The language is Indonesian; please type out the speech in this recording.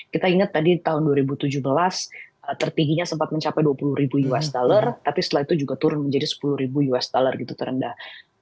kita ingat tadi tahun dua ribu tujuh belas tertingginya sempat mencapai dua puluh ribu usd tapi setelah itu juga turun menjadi sepuluh ribu usd gitu terendah